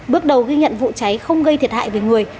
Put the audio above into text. bước đầu ghi nhận vụ cháy không gây thiệt hại về người